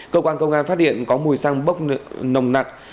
cơ quan công an phát hiện có mùi xăng bốc nồng nặng